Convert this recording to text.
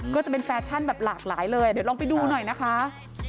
ก็จะเป็นแฟชั่นแบบหลากหลายเลยเดี๋ยวลองไปดูหน่อยนะคะ